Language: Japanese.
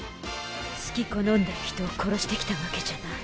好きこのんで人を殺して来たわけじゃない。